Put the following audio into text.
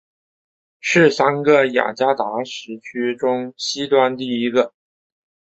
是三个雅加达时区中西端第一个。